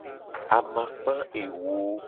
Amakpa ewo.